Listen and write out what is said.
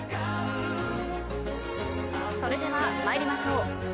それでは参りましょう。